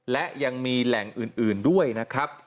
และยังมีแหล่งอื่นด้วยนะครับ